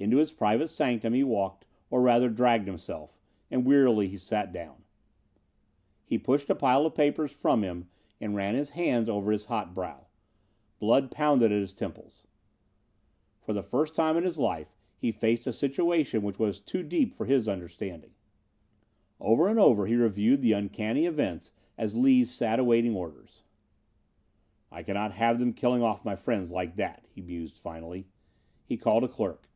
Into his private sanctum he walked or rather dragged himself, and wearily he sat down. He pushed a pile of papers from him and ran his hand over his hot brow. Blood pounded at his temples. For the first time in his life he faced a situation which was too deep for his understanding. Over and over again he reviewed the uncanny events as Lees sat awaiting orders. "I cannot have them killing off my friends like that," he mused finally. He called a clerk.